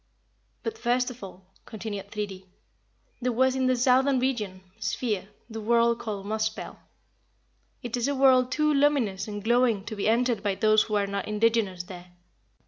"But, first of all," continued Thridi, "there was in the southern region (sphere) the world called Muspell. It is a world too luminous and glowing to be entered by those who are not indigenous there.